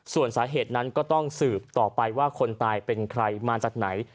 ส่วนสาเหตุนั้นก็ต้องสืบต่อไปว่าคนตายเป็นใครมาจากไหน